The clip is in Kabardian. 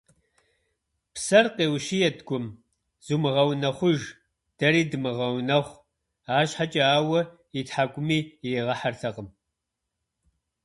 Псэр къеущиет Гум: «Зумыгъэунэхъуж! Дэри думыгъэунэхъу!», арщхьэкӀэ ауэ и тхьэкӀуми иригъэхьэртэкъым.